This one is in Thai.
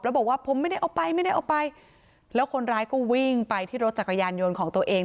แล้วบอกว่าผมไม่ได้เอาไปไม่ได้เอาไปแล้วคนร้ายก็วิ่งไปที่รถจักรยานยนต์ของตัวเอง